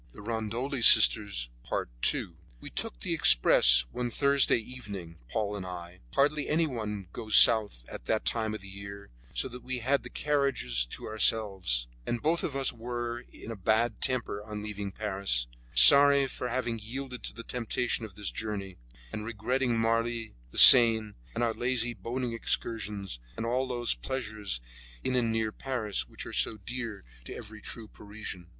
II We took the express one Thursday evening, Paul and I. Hardly anyone goes south at that time of the year, so that we had the carriages to ourselves, and both of us were in a bad temper on leaving Paris, sorry for having yielded to the temptation of this journey, and regretting Marly, the Seine, and our lazy boating excursions, and all those pleasures in and near Paris which are so dear to every true Parisian.